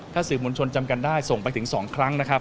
ถ้าสื่อมวลชนจำกันได้ส่งไปถึง๒ครั้งนะครับ